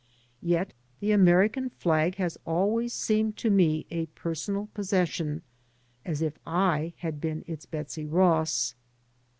Yet the American flag has always seemed to me a personal possession as if I had been its Betsy Ross.